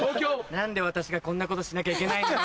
何で私がこんなことしなきゃいけないのよ